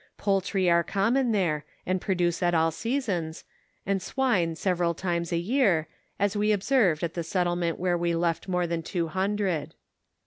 Poultry are common tbere, and produce at all seasons, and swine several times a year, as we observed at the settlement where we left more than two hundred.